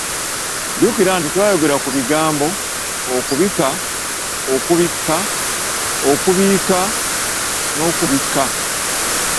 Jjukira nti twayogera ku bigambo, okubika, okubikka, okubiika n'okubbika.